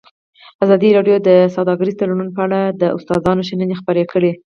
ازادي راډیو د سوداګریز تړونونه په اړه د استادانو شننې خپرې کړي.